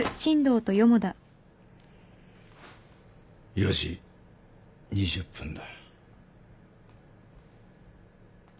４時２０分だ。